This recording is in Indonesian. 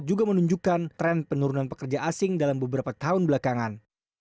juga menunjukkan tren penurunan pekerja asing dalam beberapa tahun belakangan